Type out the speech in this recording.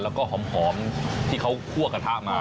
แล้วก็หอมที่เขาคั่วกระทะมา